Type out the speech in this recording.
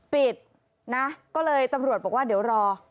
ปิดนะก็เลยตำรวจบอกว่าเดี๋ยวรอ